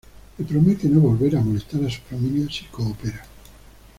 Le promete no volver a molestar a su familia si coopera.